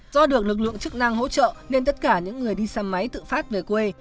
do được lực lượng chức năng hỗ trợ nên tất cả những người đi xe máy tự phát về quê